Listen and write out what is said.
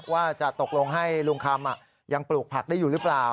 ว่าจะตกลงให้ลุงคำยังปลูกผักได้อยู่หรือเปล่า